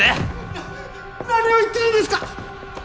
な何を言ってるんですか？